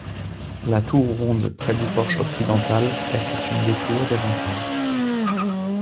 La tour ronde près du porche occidental était une des tours des remparts.